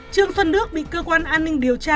trương xuân đức bị cơ quan an ninh điều tra